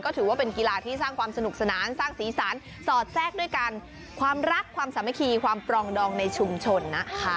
ถือว่าเป็นกีฬาที่สร้างความสนุกสนานสร้างสีสันสอดแทรกด้วยกันความรักความสามัคคีความปรองดองในชุมชนนะคะ